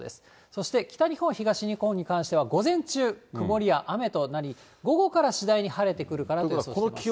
そして北日本、東日本に関しては、午前中、曇りや雨となり、午後から次第に晴れてくるかなと思います。